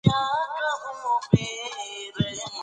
د پوهې ډیوې په هره سیمه کې روښانه کړئ.